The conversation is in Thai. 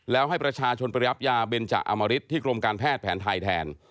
แล้วให้ประชาชนไปรับยาเบนจาอมริตที่กรมการแพทย์แผนไทยแทน